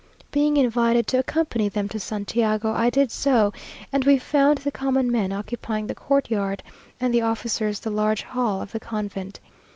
Being invited to accompany them to Santiago, I did so; and we found the common men occupying the courtyard, and the officers the large hall of the convent.